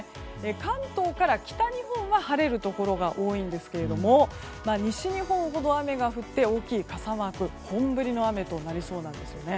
関東から北日本は晴れるところが多いんですが西日本ほど雨が降って大きい傘マーク本降りの雨となりそうなんですよね。